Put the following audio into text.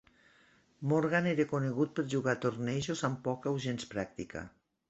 Morgan era conegut per jugar tornejos amb poca o gens pràctica.